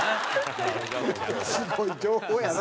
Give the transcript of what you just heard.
すごい情報やな！